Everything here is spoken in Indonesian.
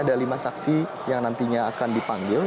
ada lima saksi yang nantinya akan dipanggil